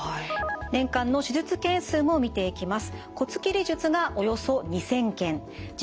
年間の手術件数も見ていきます。